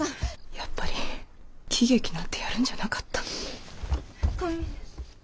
やっぱり喜劇なんてやるんじゃなかった。